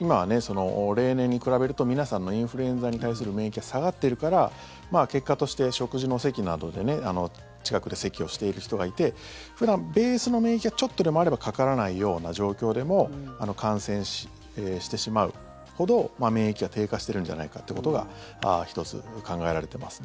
今は例年に比べると皆さんのインフルエンザに対する免疫が下がっているから結果として、食事の席などで近くで、せきをしている人がいて普段、ベースの免疫がちょっとでもあればかからないような状況でも感染してしまうほど免疫が低下してるんじゃないかってことが１つ考えられています。